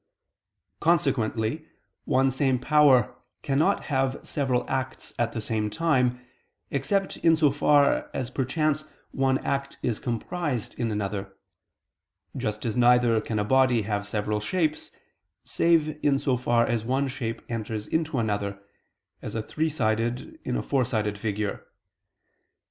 Consequently one same power cannot have several acts at the same time, except in so far as perchance one act is comprised in another; just as neither can a body have several shapes, save in so far as one shape enters into another, as a three sided in a four sided figure.